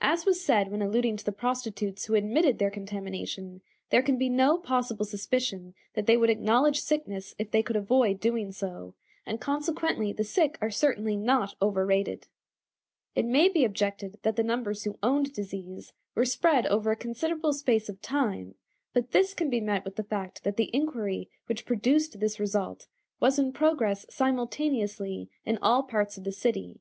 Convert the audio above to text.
As was said when alluding to the prostitutes who admitted their contamination, there can be no possible suspicion that they would acknowledge sickness if they could avoid doing so, and consequently the sick are certainly not overrated. It may be objected that the numbers who owned disease were spread over a considerable space of time, but this can be met with the fact that the inquiry which produced this result was in progress simultaneously in all parts of the city.